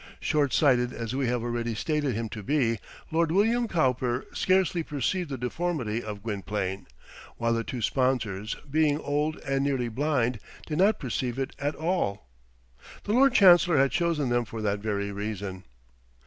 Short sighted as we have already stated him to be, Lord William Cowper scarcely perceived the deformity of Gwynplaine; while the two sponsors, being old and nearly blind, did not perceive it at all. The Lord Chancellor had chosen them for that very reason.